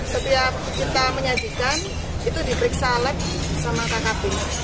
setiap kita menyajikan itu diperiksa lek sama kakak ping